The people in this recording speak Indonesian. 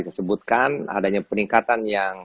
disebutkan adanya peningkatan yang